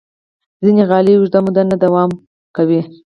ځینې غالۍ اوږده موده نه دوام کوي.